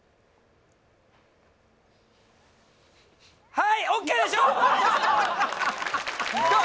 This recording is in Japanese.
はいＯＫでしょう